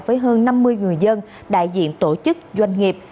với hơn năm mươi người dân đại diện tổ chức doanh nghiệp